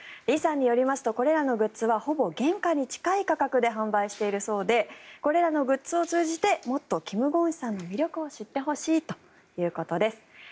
イさんによりますとこれらのグッズはほぼ原価に近い価格で販売しているそうでこれらのグッズを通じてもっとキム・ゴンヒさんの魅力を知ってほしいということです。